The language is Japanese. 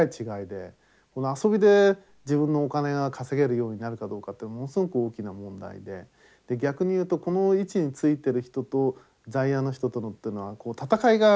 この遊びで自分のお金が稼げるようになるかどうかってものすごく大きな問題で逆に言うとこの位置についてる人と在野の人とのってのは戦いが常にあるわけですね。